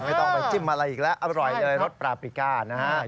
ไม่ต้องไปจิ้มอะไรอีกแล้วอร่อยเลยรสปลาปริก้านะฮะ